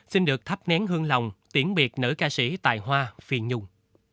xin được thắp nén hương lòng tiễn biệt nữ ca sĩ tài hoa phi nhung